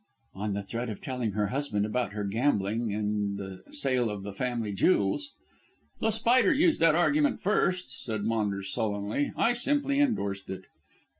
"On the threat of telling her husband about her gambling and sale of the family jewels." "The Spider used that argument first," said Maunders sullenly; "I simply endorsed it."